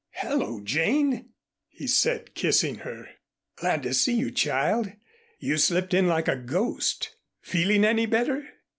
"Hello, Jane!" he said, kissing her. "Glad to see you, child. You slipped in like a ghost. Feeling any better?"